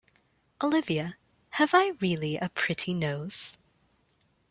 Olivia, have I really a pretty nose?